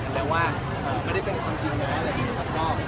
แต่ว่าไม่ได้เป็นความจริงนะครับ